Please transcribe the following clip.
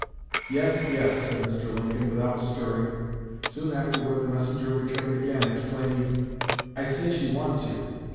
'Yes, yes,' said Mr. Lincoln, without stirring. Soon afterward the messenger returned again, exclaiming, 'I say she wants you.'